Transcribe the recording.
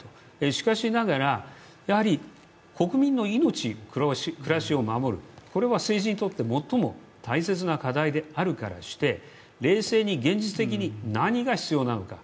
しかしながら、やはり国民の命、暮らしを守る、これは政治にとって最も大切な課題であるからして、冷静に現実的に、何が必要なのか。